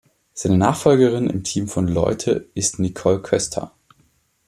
Seine Nachfolgerin im Team von "Leute" ist Nicole Köster.